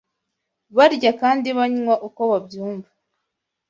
barya kandi banywa uko babyumva